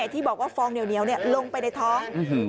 ที่บอกว่าฟองเหนียวลงไปในท้อง